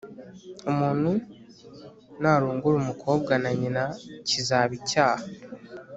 Umuntu narongora umukobwa na nyina kizaba icyaha